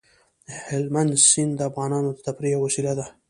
هلمند سیند د افغانانو د تفریح یوه وسیله ده.